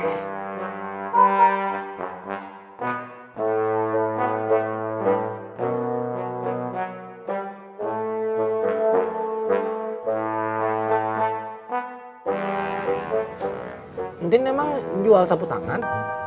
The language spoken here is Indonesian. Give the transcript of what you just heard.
penting memang jual sapu tangan